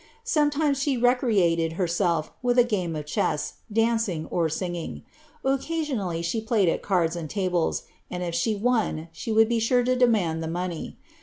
Sometimes she recreated herself with a game of chess, dancing, or singing. Occasionally she played at cards and tables, and if she won, she would be sure to demand the money.